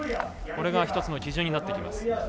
１つの基準になってきます。